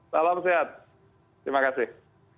salam sehat terima kasih